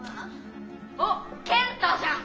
あっ健太じゃん。